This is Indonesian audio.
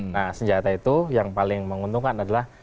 nah senjata itu yang paling menguntungkan adalah